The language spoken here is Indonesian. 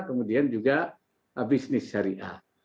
kemudian juga bisnis syariah